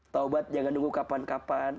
taubat jangan nunggu kapan kapan